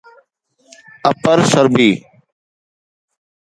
upper سربي